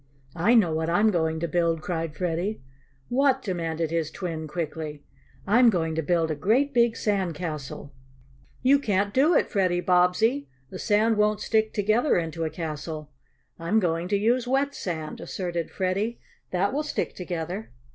"I know what I'm going to build!" cried Freddie. "What?" demanded his twin quickly. "I'm going to build a great big sand castle." "You can't do it, Freddie Bobbsey. The sand won't stick together into a castle." "I'm going to use wet sand," asserted Freddie. "That will stick together."